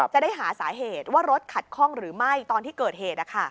จะได้หาสาเหตุว่ารถขัดข้องหรือไม่ตอนที่เกิดเหตุ